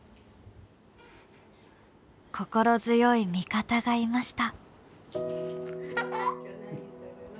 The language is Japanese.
心強い味方がいました。